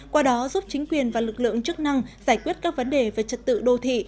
qua đó giúp chính quyền và lực lượng chức năng giải quyết các vấn đề về trật tự đô thị